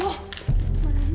biar tahu rasa